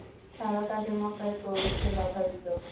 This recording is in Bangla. তারা তাকে মক্কায় প্রবেশে বাঁধা দিত।